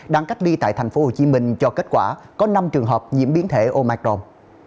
đang cách ly tại tp hcm cho kết quả có năm trường hợp nhiễm biến thể omicron